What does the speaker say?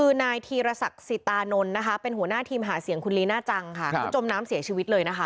คือนายธีรศักดิ์สิตานนท์นะคะเป็นหัวหน้าทีมหาเสียงคุณลีน่าจังค่ะคือจมน้ำเสียชีวิตเลยนะคะ